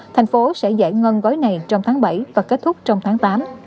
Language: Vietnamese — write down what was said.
thành phố sẽ giải ngân gói này trong tháng bảy và kết thúc trong tháng tám